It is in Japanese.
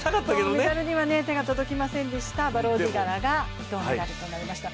メダルには手が届きませんでしたバローティガラが銅メダルでした。